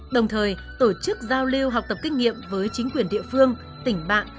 đồng thời tổ chức giao lưu học tập kinh nghiệm với chính quyền địa phương tỉnh bạn